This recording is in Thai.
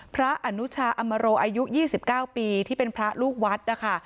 พระอนุชาอมรโรอายุยี่สิบเก้าปีที่เป็นพระลูกวัดนะคะ